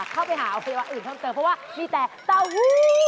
เข้าไปหาอวัยวะอื่นเพิ่มเติมเพราะว่ามีแต่เต้าหู้